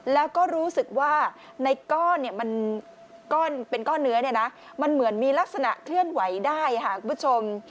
แล้วก็รู้สึกว่าในก้อนเป็นก้อนเนื้อมันเหมือนมีลักษณะเคลื่อนไหวได้ค่ะคุณผู้ชม